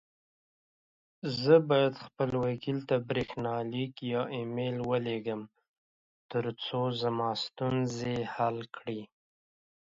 زه بايد خپل وکيل ته بريښناليک يا اى ميل وليږم، ترڅو زما ستونزي حل کړې.